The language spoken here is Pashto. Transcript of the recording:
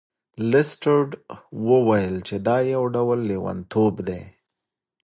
لیسټرډ وویل چې دا یو ډول لیونتوب دی.